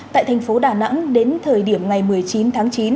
tại thành phố đà nẵng đến thời điểm ngày một mươi chín tháng chín